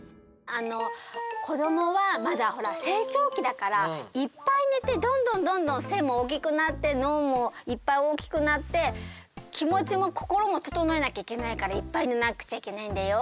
子どもはまだほら成長期だからいっぱい寝てどんどんどんどん背も大きくなって脳もいっぱい大きくなって気持ちも心も整えなきゃいけないからいっぱい寝なくちゃいけないんだよ。